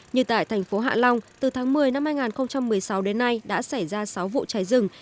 như tại thành phố hạ long từ tháng một mươi năm hai nghìn một mươi sáu đến nay đã xảy ra sáu vụ cháy rừng